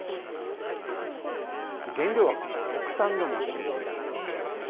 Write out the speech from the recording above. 原料は国産のもち米。